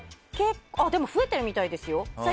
でも増えてるみたいですよ。